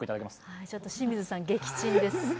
清水さん、撃沈です。